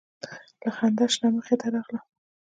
له خندا شنه مخې ته راغله